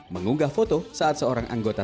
mengunggah foto saat seorang anggota